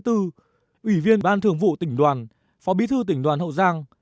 ủy viên ban thường vụ tỉnh đoàn phó bí thư tỉnh đoàn hậu giang